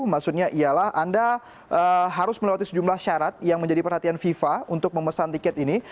maksudnya ialah anda harus melewati sejumlah syarat yang menjadi perhatian fifa untuk memesan tiket ini